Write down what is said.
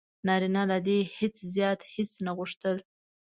نارینه له دې څخه زیات هیڅ نه غوښتل: